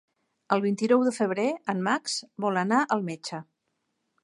El vint-i-nou de febrer en Max vol anar al metge.